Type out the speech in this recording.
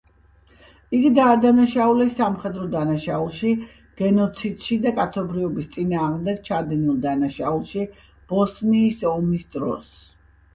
იგი დაადანაშაულეს სამხედრო დანაშაულში, გენოციდში და კაცობრიობის წინააღმდეგ ჩადენილ დანაშაულში ბოსნიის ომის დროს.